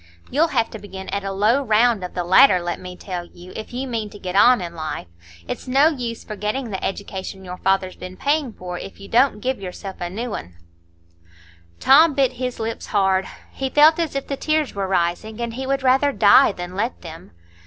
You'll have to begin at a low round of the ladder, let me tell you, if you mean to get on in life. It's no use forgetting the education your father's been paying for, if you don't give yourself a new un." Tom bit his lips hard; he felt as if the tears were rising, and he would rather die than let them.